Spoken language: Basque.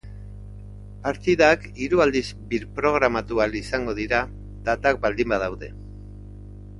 Partidak hiru aldiz birprogramatu ahal izango dira, datak baldin badaude.